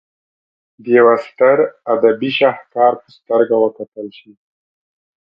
د یوه ستر ادبي شهکار په سترګه وکتل شي.